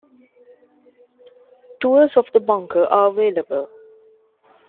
Tours of the bunker are available.